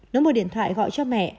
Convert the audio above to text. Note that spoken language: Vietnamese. nó mở điện thoại gọi cho mẹ